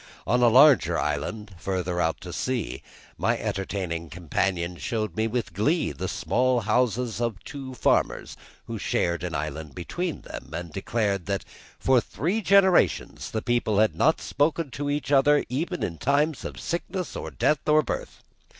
On a larger island, farther out to sea, my entertaining companion showed me with glee the small houses of two farmers who shared the island between them, and declared that for three generations the people had not spoken to each other even in times of sickness or death or birth.